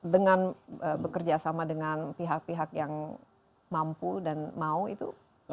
dengan bekerja sama dengan pihak pihak yang mampu dan mau itu